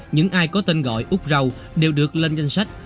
những ai có tên gọi úc râu đều được lên danh sách